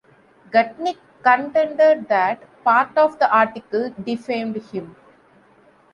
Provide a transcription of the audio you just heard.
Gutnick contended that part of the article defamed him.